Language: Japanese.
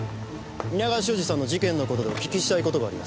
皆川修二さんの事件の事でお聞きしたい事があります。